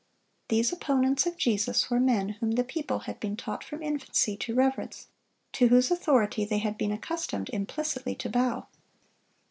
These opponents of Jesus were men whom the people had been taught from infancy to reverence, to whose authority they had been accustomed implicitly to bow.